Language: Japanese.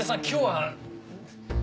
今日は。